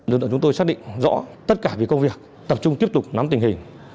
đối tượng chúng tôi xác định rõ tất cả về công việc tập trung tiếp tục nắm tình hình